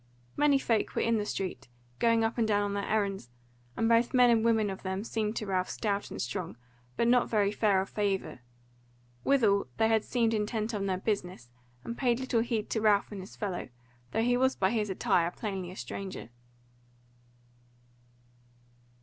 Many folk were in the street, going up and down on their errands, and both men and women of them seemed to Ralph stout and strong, but not very fair of favour. Withal they seemed intent on their business, and payed little heed to Ralph and his fellow, though he was by his attire plainly a stranger.